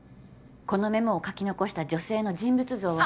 このメモを書き残した女性の人物像は。